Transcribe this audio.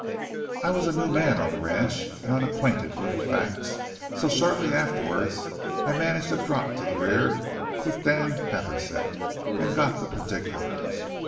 I was a new man on the ranch and unacquainted with the facts, so shortly afterwards I managed to drop to the rear with Dan Happersett, and got the particulars.